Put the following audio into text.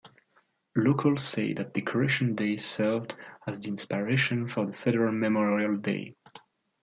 Locals say that Decoration Day served as the inspiration for the federal Memorial Day.